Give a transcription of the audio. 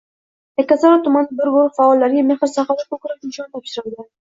Yakkasaroy tumani bir guruh faollariga "Mehr-saxovat" ko‘krak nishoni topshirildi